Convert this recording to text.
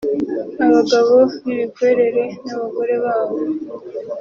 abagabo b’ibikwerere n’abagore babo